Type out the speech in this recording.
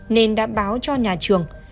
nên đã báo cho nhà trường